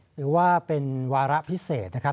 หรือว่าเป็นวาระพิเศษนะครับ